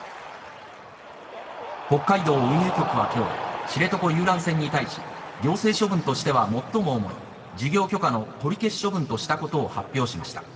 北海道運輸局は今日、知床遊覧船に対し、行政処分としては最も重い、事業許可の取り消し処分としたことを発表しました。